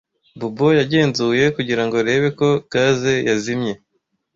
Bobo yagenzuye kugirango arebe ko gaze yazimye.